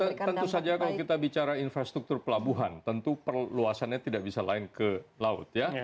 ya tentu saja kalau kita bicara infrastruktur pelabuhan tentu perluasannya tidak bisa lain ke laut ya